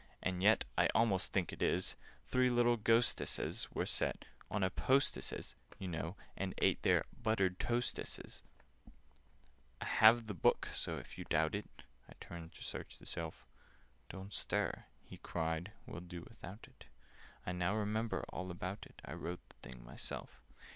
And yet I almost think it is— 'Three little Ghosteses' were set 'On posteses,' you know, and ate Their 'buttered toasteses.' "I have the book; so if you doubt it—" I turned to search the shelf. "Don't stir!" he cried. "We'll do without it: I now remember all about it; I wrote the thing myself.